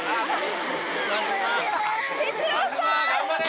頑張れ！